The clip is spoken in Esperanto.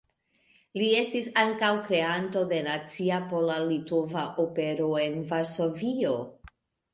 Li estis ankaŭ kreanto de nacia pola-litova opero en Varsovio.